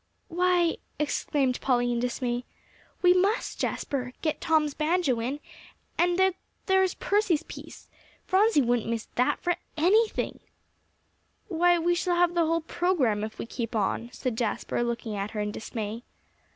"Why," exclaimed Polly in dismay, "we must, Jasper, get Tom's banjo in; and there's Percy's piece. Phronsie wouldn't miss that for anything." "Why, we shall have the whole program in if we keep on," said Jasper, looking at her in dismay.